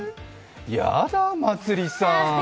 やだまつりさん。